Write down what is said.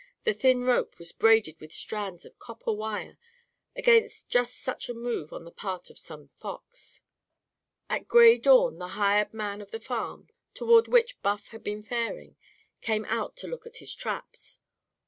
The thin rope was braided with strands of copper wire, against just such a move on the part of some fox. At gray dawn, the hired man of the farm, toward which Buff had been faring, came out to look at his traps.